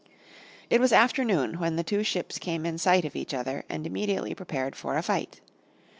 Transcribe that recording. It was afternoon when the two ships came in sight of each other, and immediately prepared for a fight.